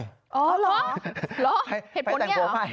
อ๋อเหรอเหตุผลเนี่ยหรอไปแต่งผัวใหม่